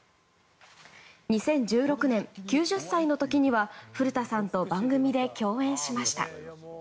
２０１６年、９０歳の時には古田さんと番組で共演しました。